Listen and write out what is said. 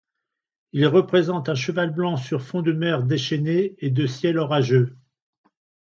Il représente un cheval blanc sur fond de mer déchaînée et de ciel orageux.